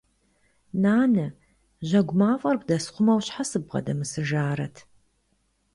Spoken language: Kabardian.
Нанэ, жьэгу мафӀэр бдэсхъумэу щхьэ сыббгъэдэмысыжарэт?!